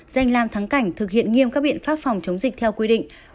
danh làm thắng cảnh thực hiện nghiêm các biện pháp phòng chống dịch theo quy định